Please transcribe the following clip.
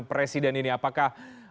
presiden ini apakah